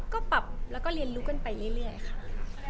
ก็ปรับแล้วก็เรียนรู้กันไปเรื่อยค่ะ